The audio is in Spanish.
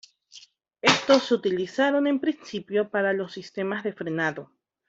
Estos se utilizaron en principio para los sistemas de frenado.